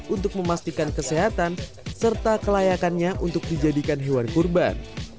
untuk memastikan kesehatan serta kelayakannya untuk dijadikan hewan kurban